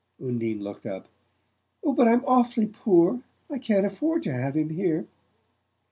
Undine looked up. "But I'm awfully poor; I can't afford to have him here."